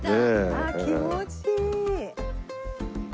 あっ気持ちいい。